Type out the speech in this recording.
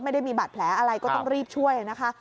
ไม่ได้มีบาดแผลอะไรก็ต้องรีบช่วยนะคะ